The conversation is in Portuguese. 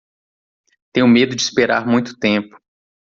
Tenho medo de esperar muito tempo.